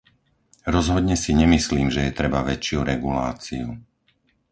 Rozhodne si nemyslím, že je treba väčšiu reguláciu.